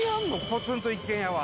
ポツンと一軒家は。